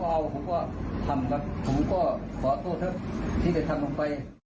ผมก็ทำกับผมก็ขอตัวเถอะที่จะทำลงไป